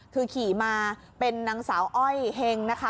คือขี่มาเป็นนางสาวอ้อยเฮงนะคะ